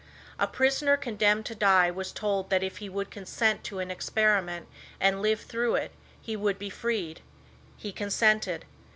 A prisoner condemned to die was told that if he would consent to an experiment and lived through it he would be freed. He consented.